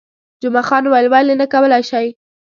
جمعه خان وویل، ولې نه، کولای شئ.